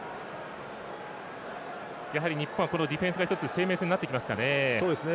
日本はディフェンスが生命線になってきますかね。